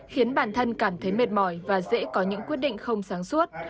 khiến bản thân cảm thấy mệt mỏi và dễ có những quyết định không sáng suốt